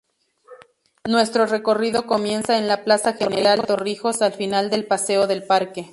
Nuestro recorrido comienza en la Plaza General Torrijos, al final del Paseo del Parque.